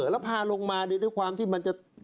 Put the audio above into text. แล้วพาลงมาด้วยความที่มันจะ